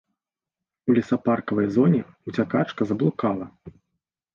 У лесапаркавай зоне ўцякачка заблукала.